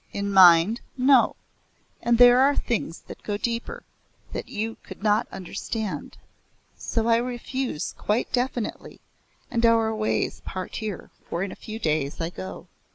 In mind, no. And there are things that go deeper, that you could not understand. So I refuse quite definitely, and our ways part here, for in a few days I go.